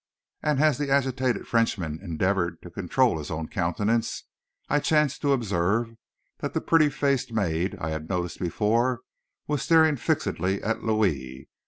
And as the agitated Frenchman endeavored to control his own countenance, I chanced to observe that the pretty faced maid I had noticed before, was staring fixedly at Louis.